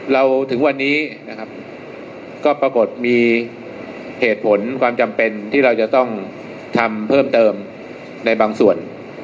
ถึงวันนี้นะครับก็ปรากฏมีเหตุผลความจำเป็นที่เราจะต้องทำเพิ่มเติมในบางส่วน